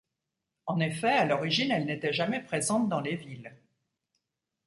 En effet, à l'origine elle n'était jamais présente dans les villes.